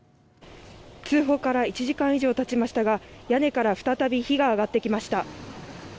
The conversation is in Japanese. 「通報から１時間ほどたちましたが屋根から再び火があがってきました」